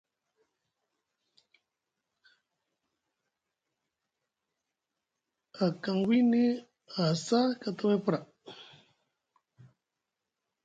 A kaŋ wini aha saa kataway pra.